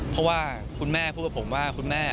เพราะว่ามีศิลปินดังมาร่วมร้องเพลงรักกับหนูโตหลายคนเลยค่ะ